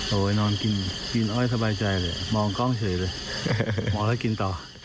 โอ้โหนอนกินกินอ้อยสบายใจเลยมองกล้องเฉยเลยมองแล้วกินต่อ